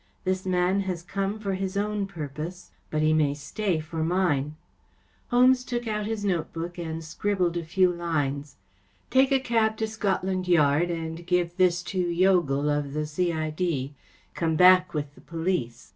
This man has come for his own purpose, but he may stay for mine.‚ÄĚ Holmes took out his note book and scribbled a few lines. " Take a cab to Scotland Yard and give this to Youghal of the C.I.D. Come back with the police.